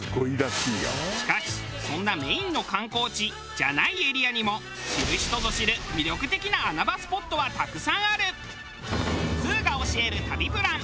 しかしそんなメインの観光地じゃないエリアにも知る人ぞ知る魅力的な穴場スポットはたくさんある。